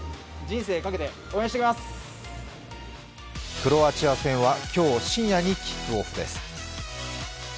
クロアチア戦は今日深夜にキックオフです。